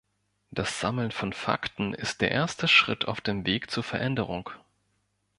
Das Sammeln von Fakten ist der erste Schritt auf dem Weg zu Veränderungen.